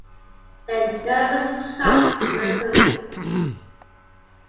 There are numerous tracks to the summit.